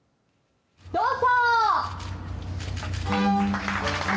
どうぞ。